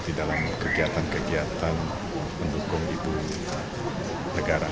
di dalam kegiatan kegiatan pendukung ibu negara